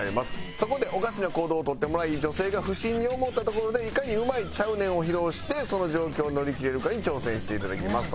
そこでおかしな行動を取ってもらい女性が不審に思ったところでいかにうまい「ちゃうねん」を披露してその状況を乗り切れるかに挑戦して頂きますと。